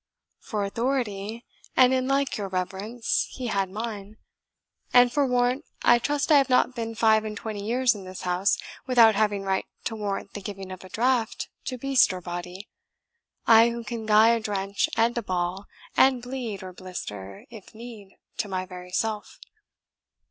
"For authority, an it like your reverence, he had mine; and for warrant, I trust I have not been five and twenty years in this house without having right to warrant the giving of a draught to beast or body I who can gie a drench, and a ball, and bleed, or blister, if need, to my very self."